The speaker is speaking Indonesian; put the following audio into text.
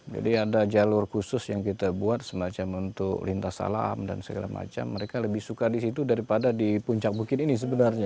jadi ada jalur khusus yang kita buat semacam untuk lintas alam dan segala macam mereka lebih suka di situ daripada di puncak bukit ini sebenarnya